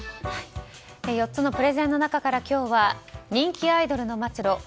４つのプレゼンの中から今日は人気アイドルの末路。